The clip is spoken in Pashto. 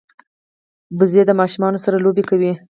وزې د ماشومانو سره لوبې کوي